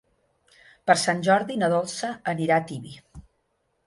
Per Sant Jordi na Dolça anirà a Tibi.